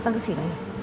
datang ke sini